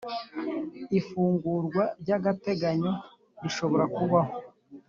Ifungurwa ry ‘agateganyo rishobora kubaho.